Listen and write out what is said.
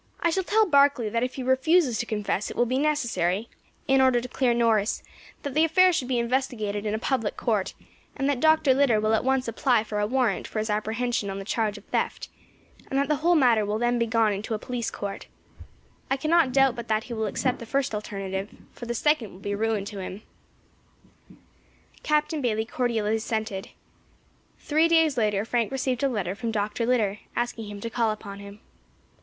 "I shall tell Barkley that if he refuses to confess it will be necessary, in order to clear Norris, that the affair should be investigated in a Public Court, and that Dr. Litter will at once apply for a warrant for his apprehension on the charge of theft, and that the whole matter will then be gone into in a Police Court. I cannot doubt but that he will accept the first alternative, for the second will be ruin to him." Captain Bayley cordially assented. Three days later Frank received a letter from Dr. Litter asking him to call upon him.